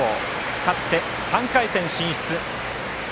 勝って、３回戦進出。